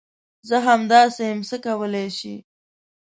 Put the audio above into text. زه همداسي یم ، څه کولی شې ؟